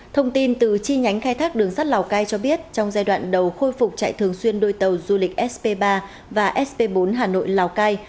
thông tin từ chi nhánh khai thác đường sắt lào cai cho biết trong giai đoạn đầu khôi phục chạy thường xuyên đôi tàu du lịch sp ba và sp bốn hà nội lào cai